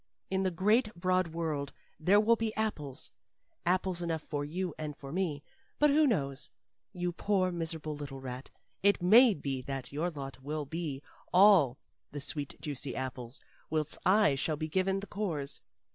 In the great broad world there will be apples apples enough for you and for me. But, who knows? you poor miserable little rat; it may be that your lot will be all the sweet, juicy apples, whilst I shall be given the cores.